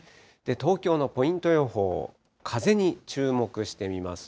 東京のポイント予報、風に注目してみますと。